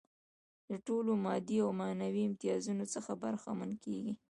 له ټولو مادي او معنوي امتیازاتو څخه برخمنې کيږي.